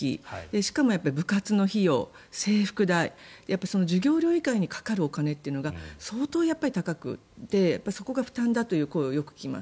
しかも部活の費用、制服代授業料以外にかかるお金というのが相当、高くてそこが負担だという声をよく聞きます。